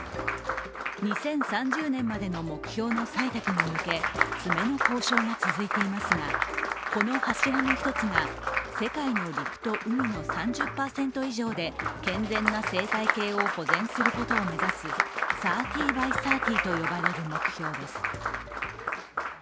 ２０３０年までの目標の採択に向け詰めの交渉が続いていますがこの柱の一つが世界の陸と海の３０％以上で健全な生態系を保全することを目指す３０ｂｙ３０と呼ばれる目標です。